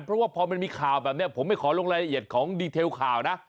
เพราะว่าพอมันมีข่าวแบบนี้ผมไม่ขอลงรายละเอียดของดีเทลข่าวนะ